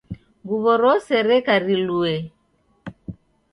Nguwo rose reka riluwe